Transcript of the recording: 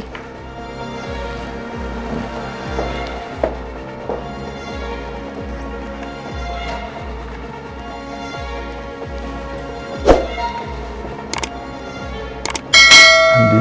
andini karisma putri